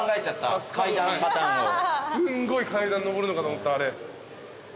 すんごい階段上るのかと思ったあれ。